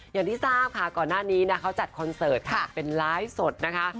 อย่างที่ทราบค่ะก่อนหน้านี้นะเขาจัดคอนเสิร์ตค่ะเป็นไลฟ์สดนะคะ